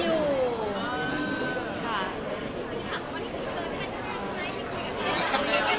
ตอนกลืน